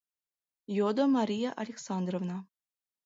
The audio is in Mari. — йодо Мария Александровна.